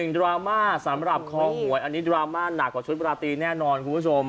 ดราม่าสำหรับคอหวยอันนี้ดราม่าหนักกว่าชุดราตรีแน่นอนคุณผู้ชม